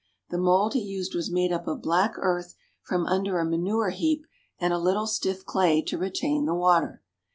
The mold he used was made up of black earth from under a manure heap, and a little stiff clay to retain the water.